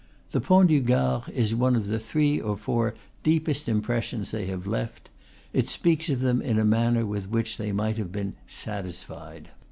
The Pont du Gard is one of the three or four deepest impressions they have left; it speaks of them in a manner with which they might have been satisfied.